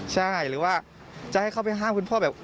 ใช่หรือว่าจะให้เข้าไปห้ามคุณพ่อแบบ